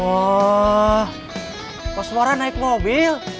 wah poswara naik mobil